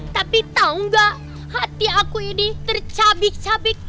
tapi tau gak hati aku ini tercabik cabik